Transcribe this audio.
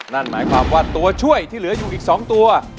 นั่นหมายความว่าตัวช่วยที่เหลืออยู่อีก๒ตัว